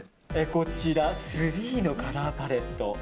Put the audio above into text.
こちらＴＨＲＥＥのカラーパレット